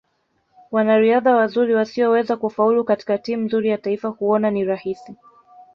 Wanariadha wazuri wasioweza kufaulu katika timu nzuri ya taifa huona ni rahisi